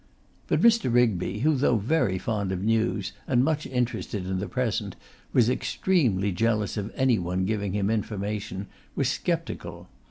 But Mr. Rigby, who, though very fond of news, and much interested in the present, was extremely jealous of any one giving him information, was sceptical.